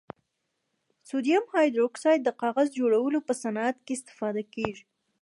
سوډیم هایدروکسایډ د کاغذ جوړولو په صنعت کې استفاده کیږي.